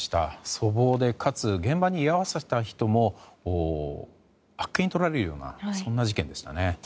粗暴でかつ現場に居合わせた人もあっけにとられるようなそんな事件でしたね。